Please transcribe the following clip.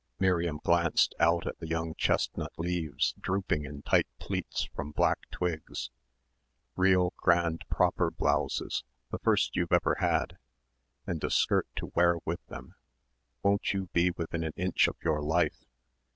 Miriam glanced out at the young chestnut leaves drooping in tight pleats from black twigs ... "real grand proper blouses the first you've ever had, and a skirt to wear them with ... won't you be within an inch of your life!